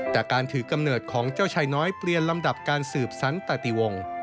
แต่การถือกำเนิดของเจ้าชายน้อยเปลี่ยนลำดับการสืบสันตติวง